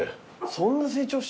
そんな成長してんの？